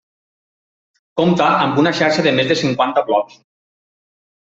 Compta amb una xarxa de més de cinquanta blogs.